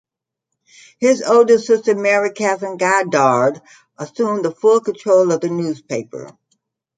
His older sister Mary Katherine Goddard assumed full control of the newspaper.